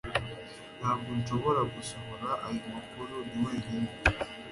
Ntabwo nshobora gusohora ayo makuru Ni wenyine